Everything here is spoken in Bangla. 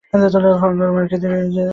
কঙ্কাল মার্কায় করলে কী সমস্যা?